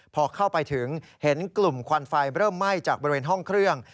พอเข้าไปถึงเห็นกลุ่มควันไฟเริ่มไหม้จากบริเวณห้องเครื่อง